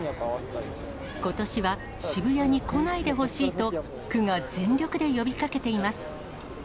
ことしは渋谷に来ないでほしいと、区が全力で呼びかけています。